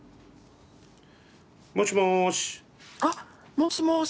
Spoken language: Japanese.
もしもし。